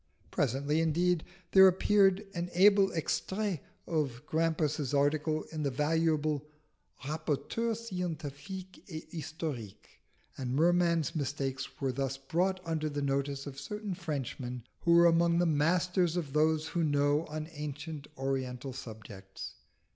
Presently, indeed, there appeared an able extrait of Grampus's article in the valuable Rapporteur scientifique et historique, and Merman's mistakes were thus brought under the notice of certain Frenchmen who are among the masters of those who know on oriental subjects.